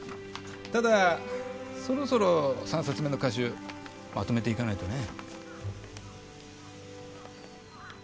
ただそろそろ３冊目の歌集まとめていかないとね。